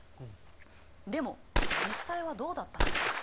でも実際はどうだったんだろうか？